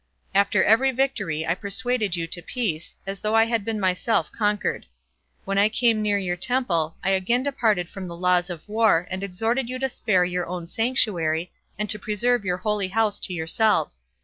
After every victory I persuaded you to peace, as though I had been myself conquered. When I came near your temple, I again departed from the laws of war, and exhorted you to spare your own sanctuary, and to preserve your holy house to yourselves.